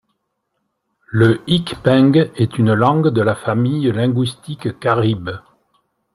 Le ikpeng est une langue de la famille linguistique carib.